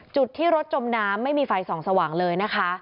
จุดที่รถจมน้ำไม่มีไฟส่องสว่างเลยนะคะ